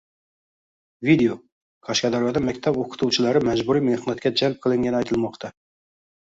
Video: Qashqadaryoda maktab o‘qituvchilari majburiy mehnatga jalb qilingani aytilmoqda